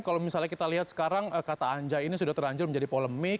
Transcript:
kalau misalnya kita lihat sekarang kata anja ini sudah terlanjur menjadi polemik